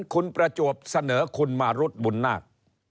คุณประจวบเสนอคุณมารุธบุญนาค